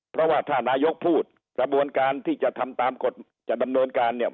เพราะว่าถ้านายกพูดกระบวนการที่จะทำตามกฎจะดำเนินการเนี่ย